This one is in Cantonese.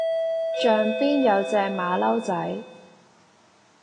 象邊有隻馬騮仔